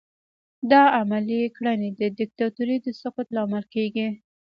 دا عملي کړنې د دیکتاتورۍ د سقوط لامل کیږي.